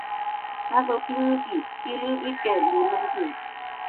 taso pini pi pilin ike li lon kin.